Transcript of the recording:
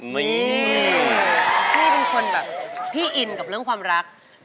นี่พี่เป็นคนแบบพี่อินกับเรื่องความรัก